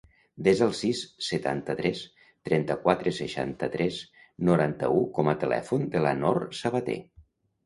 Desa el sis, setanta-tres, trenta-quatre, seixanta-tres, noranta-u com a telèfon de la Nor Sabater.